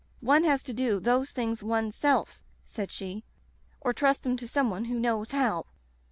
One has to do those things one's self,' said she, *or trust them to some one who knows how.'